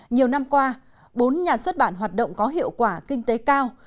nhiều năm qua bốn nhà xuất bản hoạt động có hiệu quả kinh tế cao